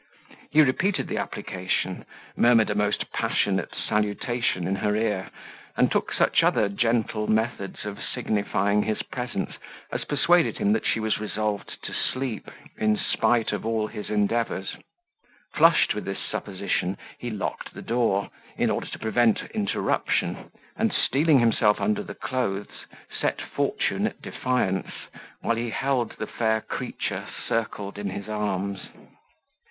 He repeated the application, murmured a most passionate salutation in her ear, and took such other gentle methods of signifying his presence, as persuaded him that she was resolved to sleep, in spite of all his endeavours. Flushed with this supposition, he locked the door, in order to prevent interruption; and, stealing himself under the clothes, set fortune at defiance, while he held the fair creature circled in his arms.